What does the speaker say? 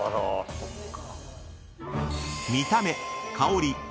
そっか。